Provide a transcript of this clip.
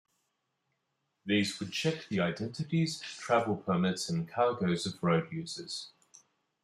These would check the identities, travel permits and cargoes of road users.